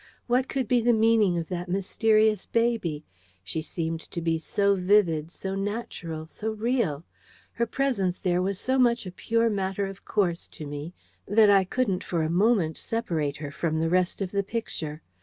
What could be the meaning of that mysterious baby? She seemed to be so vivid, so natural, so real; her presence there was so much a pure matter of course to me, that I couldn't for a moment separate her from the rest of the Picture.